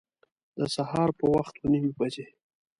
د سهار په وخت اوه نیمي بجي